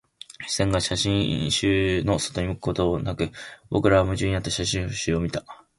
視線が写真集の外に向くことはなく、僕らは夢中になって写真集を見た